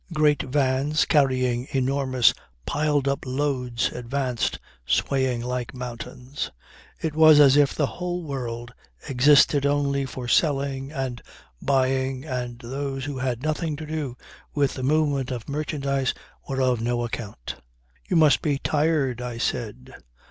Great vans carrying enormous piled up loads advanced swaying like mountains. It was as if the whole world existed only for selling and buying and those who had nothing to do with the movement of merchandise were of no account. "You must be tired," I said.